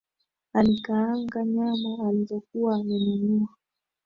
Alikaanga nyama alizokuwa amenunua